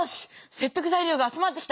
説得材料が集まってきた！